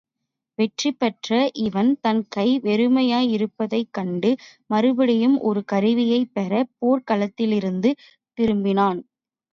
வெற்றிபெற்ற இவன் தன் கை வெறுமையாயிருப்பதைக் கண்டு மறுபடியும் ஒரு கருவியைப் பெறப் போர்க் களத்திலிருந்து திரும்புகிறான்.